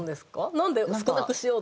なんで少なくしようと。